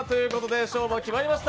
勝負が決まりました。